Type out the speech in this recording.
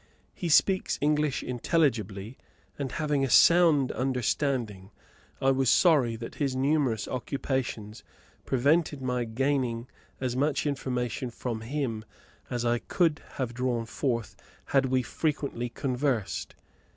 He speaks English intelligibly, and, having a sound understanding, I was sorry that his numerous occupations prevented my gaining as much information from him as I could have drawn forth had we frequently conversed.